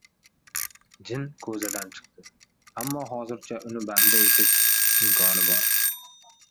Jin ko‘zadan chiqdi! Ammo hozircha uni bandi etish imkoni bor…